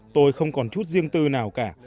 tôi không còn chút riêng tư nào cả